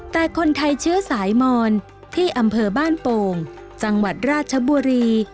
แต่คนไทยเชื้อสายมอนที่อำเภอบ้านโป่งจังหวัดราชบุรี